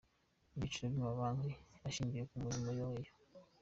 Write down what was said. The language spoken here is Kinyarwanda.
Ibyiciro by’amabanki hashingiwe ku mirimo yayo